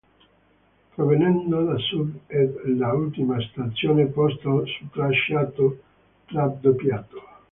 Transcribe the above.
Provenendo da sud è l'ultima stazione posta su tracciato raddoppiato.